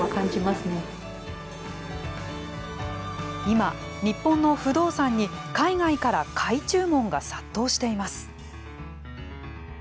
今、日本の不動産に海外から買い注文が殺到してます。